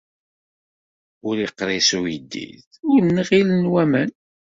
Ur iqṛis uyeddid, ur nnɣilen waman.